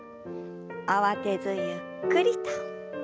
慌てずゆっくりと。